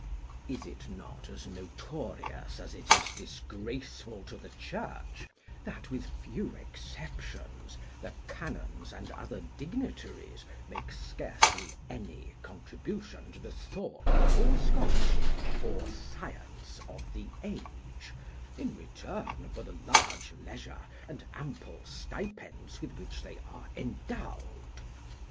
Is it not as notorious as it is disgraceful to the Church, that, with few exceptions, the canons and other dignitaries make scarcely any contribution to the thought, or scholarship, or science of the age, in return for the large leisure and ample stipends with which they are endowed?